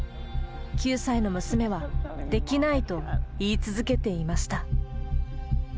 ９歳の娘はできないと言い続けていました。